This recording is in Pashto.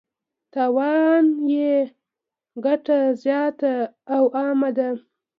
تاوان یې ګټه زیاته او عامه ده.